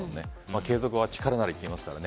継続は力なりと言いますからね。